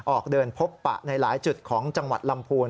ออกเดินพบปะในหลายจุดของจังหวัดลำพูน